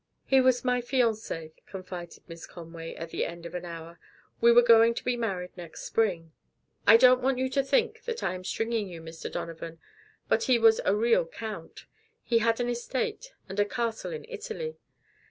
"He was my fiancé," confided Miss Conway, at the end of an hour. "We were going to be married next spring. I don't want you to think that I am stringing you, Mr. Donovan, but he was a real Count. He had an estate and a castle in Italy.